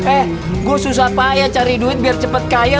eh gua susah payah cari duit biar cepet kaya